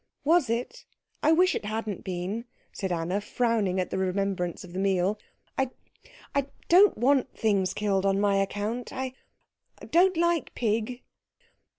"Was it? I wish it hadn't been," said Anna, frowning at the remembrance of that meal. "I I don't want things killed on my account. I don't like pig."